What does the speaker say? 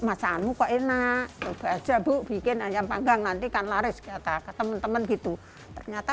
masaanmu kok enak coba aja bu bikin ayam panggang nanti kan laris kata ke temen temen gitu ternyata